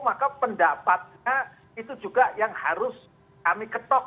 maka pendapatnya itu juga yang harus kami ketok